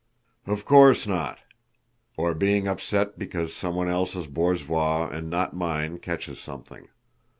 "Of course not!" "Or being upset because someone else's borzoi and not mine catches something.